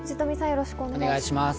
よろしくお願いします。